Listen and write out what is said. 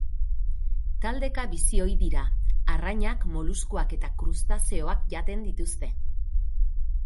Taldeka bizi ohi dira, arrainak, moluskuak eta krustazeoak jaten dituzte.